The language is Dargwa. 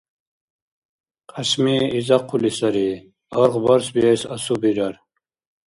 Кьяшми изахъули сари, аргъ барсбиэс асубирар.